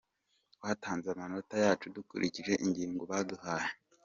Twatanze amanota yacu dukurikije ingingo baduhaye.